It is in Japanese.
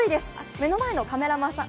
目の前のカメラマンさん